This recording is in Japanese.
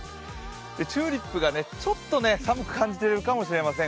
チューリップがちょっと寒く感じているかもしれません。